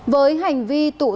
với hành vi tụi con